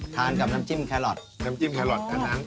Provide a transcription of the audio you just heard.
กับน้ำจิ้มแครอทน้ำจิ้มแครอทเท่านั้น